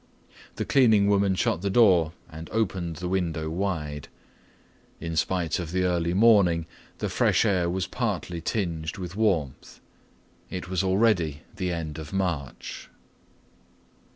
The cleaning woman shut the door and opened the window wide. In spite of the early morning, the fresh air was partly tinged with warmth. It was already the end of March.